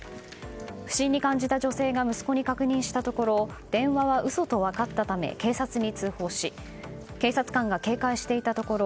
不審に感じた女性が息子に確認したところ電話は嘘と分かったため警察に通報し警察官が警戒していたところ